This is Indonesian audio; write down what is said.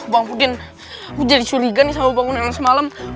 bang pudin gue jadi suliga nih sama bangunan yang semalam